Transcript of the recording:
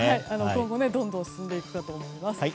今後、どんどん進んでいくかと思います。